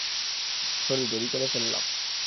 Sorry, দেরি করে ফেললাম!